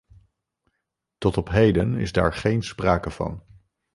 Tot op heden is daar geen sprake van.